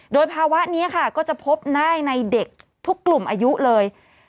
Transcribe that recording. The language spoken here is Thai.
โดยภาวะนี้ค่ะก็จะพบได้ในเด็กทุกกลุ่มอายุเลย